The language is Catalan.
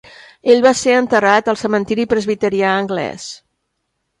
Ell va ser enterrat al Cementiri Presbiterià Anglès.